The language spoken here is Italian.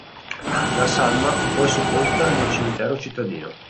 La salma fu poi sepolta nel cimitero cittadino.